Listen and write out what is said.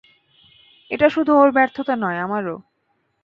এটা শুধু ওর ব্যর্থতা নয়, আমারও।